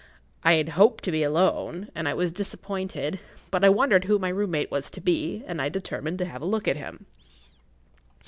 I had hoped to be alone, and I was disappointed; but I wondered who my room mate was to be, and I determined to have a look at him.